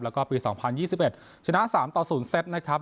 แล้วก็ปี๒๐๒๑ชนะ๓ต่อ๐เซตนะครับ